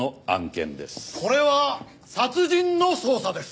これは殺人の捜査です！